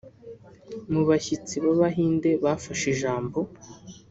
Mu bashyitsi b’abahinde bafashe ijambo